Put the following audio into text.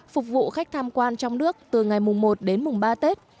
phục vụ khách tham quan trong nước từ ngày mùng một đến mùng ba tết